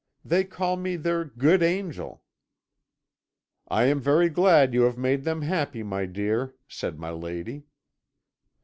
They call me their good angel.' "'I am very glad you have made them happy, my dear,' said my lady.